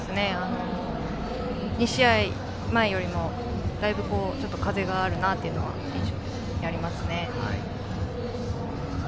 ２試合前よりもだいぶ風があるなというのが印象にありますね。